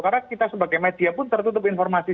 karena kita sebagai media pun tertutup informasi